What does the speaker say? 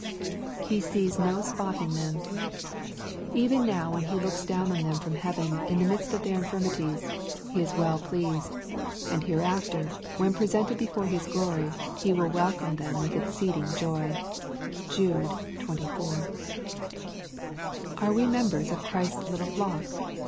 He sees no spot in them LUKE, CHAP XII. 85 Even now, when He looks down on them from heaven, in the midst of their infirmities, he is well pleased, and hereafter, when presented before His glory. He will wel come them with exceeding joy. (Jude 24.) Are we membors of Christ's little flock